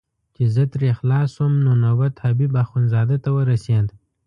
چې زه ترې خلاص شوم نو نوبت حبیب اخندزاده ته ورسېد.